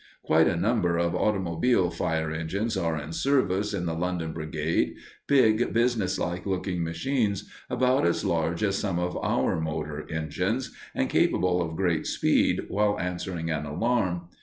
Quite a number of automobile fire engines are in service in the London brigade, big, businesslike looking machines, about as large as some of our motor engines, and capable of great speed while answering an alarm.